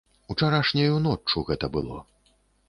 Учарашняю ноччу гэта было.